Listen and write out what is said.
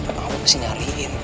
emang aku pasti nyariin